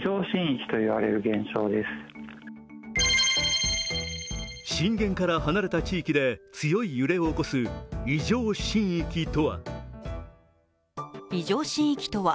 震源から離れた地域で強い揺れを起こす異常震域とは。